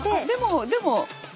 でもでも。